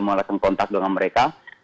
mengalami kontak dengan mereka